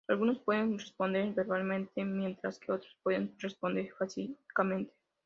Algunos pueden responder verbalmente, mientras que otros pueden responder físicamente.